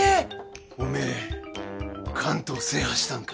おめえ関東制覇したんか？